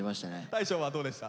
大昇はどうでした？